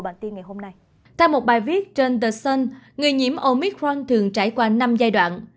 nhiễm omicron thường trải qua năm giai đoạn